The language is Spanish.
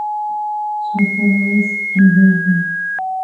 Su apodo es "El Verde".